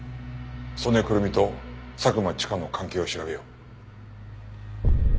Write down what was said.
曽根くるみと佐久間千佳の関係を調べよう。